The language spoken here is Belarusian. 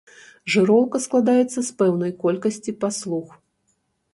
Жыроўка складаецца з пэўнай колькасці паслуг.